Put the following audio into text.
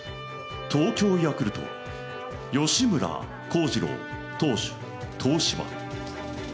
東京ヤクルト、吉村貢司郎投手、東芝。